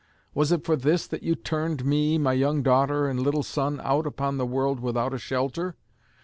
Was it for this that you turned me, my young daughter and little son out upon the world without a shelter?